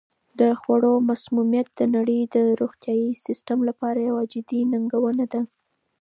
د خوړو مسمومیت د نړۍ د روغتیايي سیستم لپاره یوه جدي ننګونه ده.